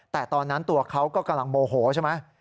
แต่ตอนนั้นตัวเขาก็กำลังโมโหใช่ไหม